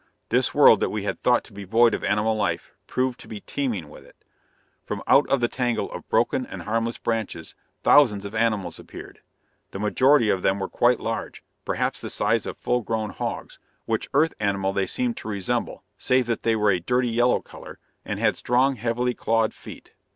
This world that we had thought to be void of animal life, proved to be teeming with it. From out of the tangle of broken and harmless branches, thousands of animals appeared. The majority of them were quite large, perhaps the size of full grown hogs, which Earth animal they seemed to resemble, save that they were a dirty yellow color, and had strong, heavily clawed feet.